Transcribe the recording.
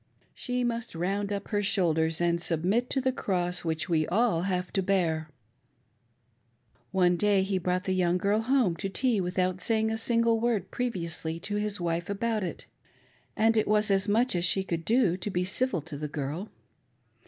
She mus^ round up her shoulders and submit to the cross which we all have to bear !" One day he brought the young girl home to tea without saying a single word previously to his wife about it, and it was as much as she could do to be civil to the girl.